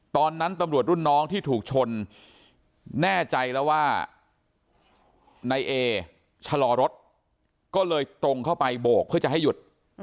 ตอนนั้นตำรวจรุ่นน้องที่ถูกชนแน่ใจแล้วว่านายเอชะลอรถก็เลยตรงเข้าไปโบกเพื่อจะให้หยุด